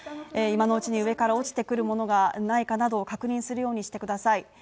今のうちに上から落ちてくるものがないかなどを確認するようにしてください。